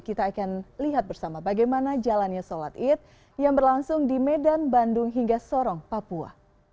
kita akan lihat bersama bagaimana jalannya sholat id yang berlangsung di medan bandung hingga sorong papua